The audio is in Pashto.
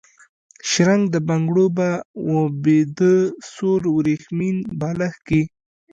شرنګ د بنګړو، به و بیده سور وریښمین بالښت کي